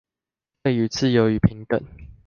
對於自由與平等